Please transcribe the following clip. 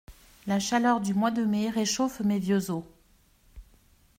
La chaleur du mois de mai réchauffe mes vieux os.